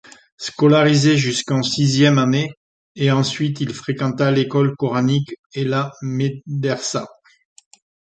Scolarisé jusqu’en sixième année et ensuite il fréquenta l’école coranique et la médersa.